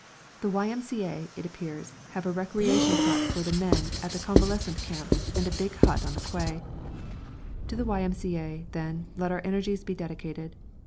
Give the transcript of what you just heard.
The Y.M.C.A., it appears, have a recreation hut for the men at the convalescent camp and a big hut on the quay. To the Y.M.C.A., then, let our energies be dedicated!